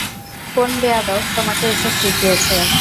কোন বেয়াদব তোমাকে এসব শিখিয়েছে?